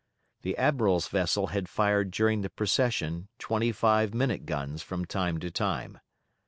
The Admiral's vessel had fired during the procession twenty five minute guns from time to time.